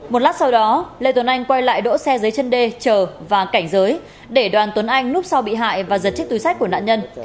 một lát sau đó lê tuấn anh quay lại đỗ xe dưới chân đê chờ và cảnh giới để đoàn tuấn anh núp sau bị hại và giật chiếc túi sách của nạn nhân